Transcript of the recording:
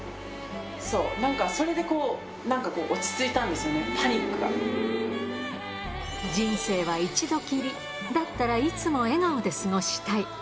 そう、なんかそれでこうなんかこう落ち着いたんですよね、パニッ人生は一度きり、だったらいつも笑顔で過ごしたい。